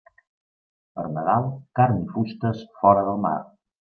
Per Nadal, carn i fustes fora del mar.